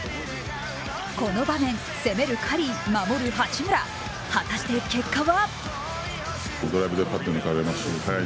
この場面、攻めるカリー守る八村、果たして結果は？